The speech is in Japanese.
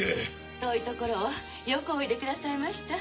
遠い所をよくおいでくださいました。